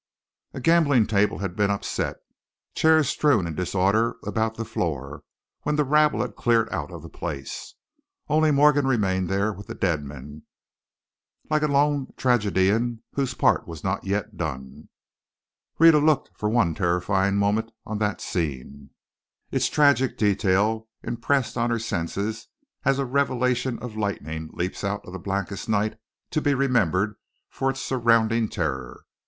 A gambling table had been upset, chairs strewn in disorder about the floor, when the rabble was cleared out of the place. Only Morgan remained there with the dead men, like a lone tragedian whose part was not yet done. Rhetta looked for one terrifying moment on that scene, its tragic detail impressed on her senses as a revelation of lightning leaps out of the blackest night to be remembered for its surrounding terror.